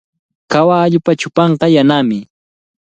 Kawalluupa chupanqa yanami.